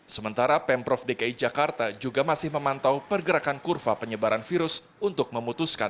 sementara pemprov dki jakarta juga masih memantau pergerakan kurva penyebaran virus untuk memutuskan